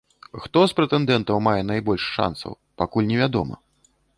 Хто з прэтэндэнтаў мае найбольш шанцаў, пакуль невядома.